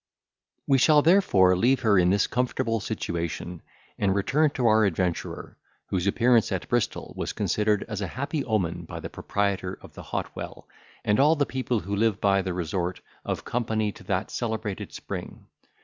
We shall therefore leave her in this comfortable situation, and return to our adventurer, whose appearance at Bristol was considered as a happy omen by the proprietor of the hot well, and all the people who live by the resort of company to that celebrated spring.